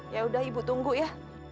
yaudah ibu tunggu ya